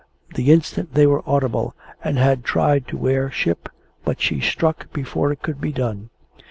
the instant they were audible, and had tried to wear ship, but she struck before it could be done.